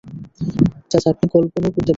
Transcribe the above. চাচা, আপনি কল্পনাও করতে পারবেন না!